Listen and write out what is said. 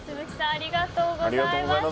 ありがとうございます。